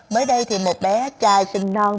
mới đây thì một bé trai sinh non